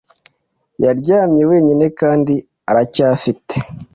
yaryamye wenyine kandi aracyafite,